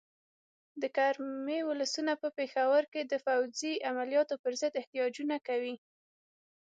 د کرمې ولسونه په پېښور کې د فوځي عملیاتو پر ضد احتجاجونه کوي.